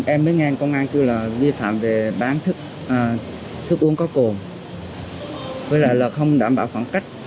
em mới nghe công an tôi là vi phạm về bán thức uống có cồn với lại là không đảm bảo khoảng cách